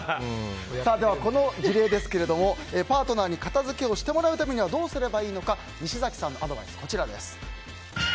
この事例ですけどもパートナーに片付けをしてもらうためにはどうすればいいのか西崎さんのアドバイスがこちら。